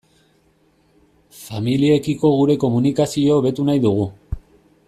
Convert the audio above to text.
Familiekiko gure komunikazio hobetu nahi dugu.